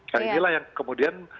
nah inilah yang kemudian